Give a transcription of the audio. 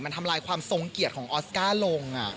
มันทำลายความทรงเกียรติของออสการ์ลง